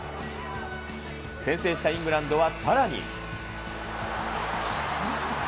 先制したイングランドはさらに。